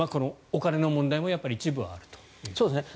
お金の問題も一部はあるということですね。